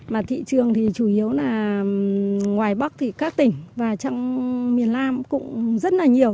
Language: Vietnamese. mà thị trường thì chủ yếu là ngoài bắc thì các tỉnh và trong miền nam cũng rất là nhiều